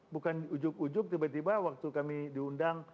bukan ujuk ujug tiba tiba waktu kami diundang